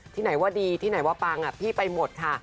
ที่ไหนว่าดีที่ไหนว่าปังพี่ไปหมดค่ะ